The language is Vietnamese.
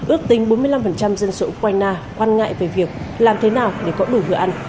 ước tính bốn mươi năm dân số ukraine quan ngại về việc làm thế nào để có đủ bữa ăn